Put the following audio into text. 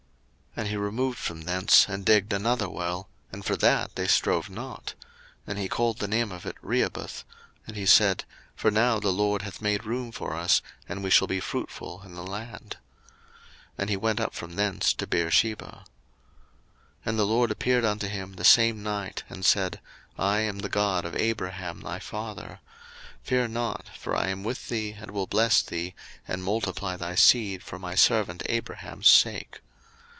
01:026:022 And he removed from thence, and digged another well; and for that they strove not: and he called the name of it Rehoboth; and he said, For now the LORD hath made room for us, and we shall be fruitful in the land. 01:026:023 And he went up from thence to Beersheba. 01:026:024 And the LORD appeared unto him the same night, and said, I am the God of Abraham thy father: fear not, for I am with thee, and will bless thee, and multiply thy seed for my servant Abraham's sake.